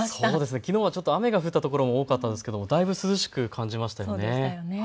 きのうはちょっと雨が降ったところ多かったですけれどもだいぶ涼しく感じましたね。